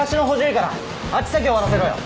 いいからあっち先終わらせろよ